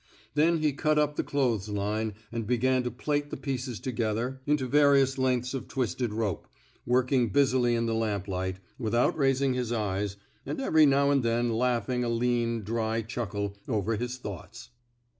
Then he cut up the clothes line, and began to plait the pieces together into various lengths 77 f THE SMOKE EATERS of twisted rope, working busily in the lamp light, without raising his eyes, and every now and then laughing a lean, dry chuckle over his thoughts.